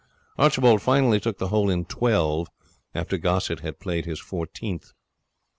Archibald finally took the hole in twelve after Gossett had played his fourteenth.